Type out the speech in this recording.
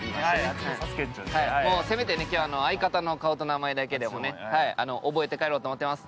せめて今日は相方の顔と名前だけでも覚えて帰ろうと思ってます。